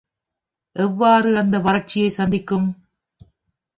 எவ்வாறு அந்த வறட்சியை சந்திக்கும்?